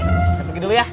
kita pergi dulu ya